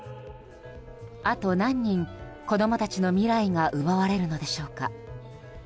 あと何人、子供たちの未来が奪われるのでしょうか。